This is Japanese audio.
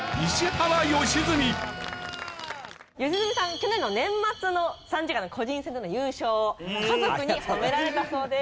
去年の年末の３時間の個人戦での優勝を家族に褒められたそうです。